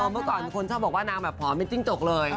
เมื่อก่อนคนชอบบอกว่านางแบบผอมเป็นจิ้งจกเลย